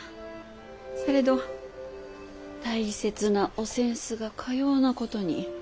されど大切なお扇子がかようなことに。